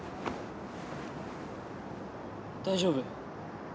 大丈夫？